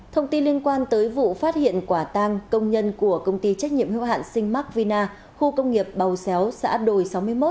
thông tin liên quan tới vụ phát hiện quả tang công nhân của công ty trách nhiệm hưu hạn sinh mac vina khu công nghiệp bầu xéo xã đồi sáu mươi một